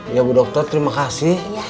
ya bu dokter terima kasih